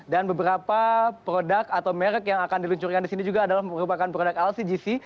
dan beberapa produk atau merek yang akan diluncurkan di sini juga adalah merupakan produk lcgc